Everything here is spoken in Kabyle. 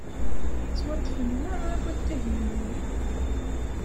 Ttwaṭṭfen merra wattagen-nni.